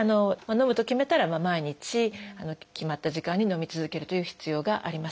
のむと決めたら毎日決まった時間にのみ続けるという必要があります。